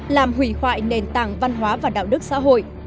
làm hủy khoại nền tảng văn hóa và đạo đức xã hội